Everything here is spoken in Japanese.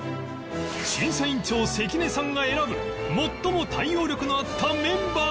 審査委員長関根さんが選ぶ最も対応力のあったメンバーは